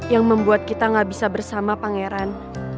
yang membuat kita gak bisa bersama pangeran